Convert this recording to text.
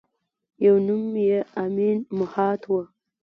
یوه نوم یې امین مهات وه.